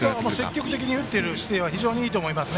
積極的に打っている姿勢は非常にいいと思います。